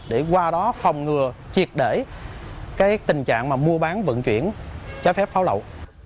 để qua đó phòng ngừa triệt để cái tình trạng mà mua bán vận chuyển trái phép pháo lậu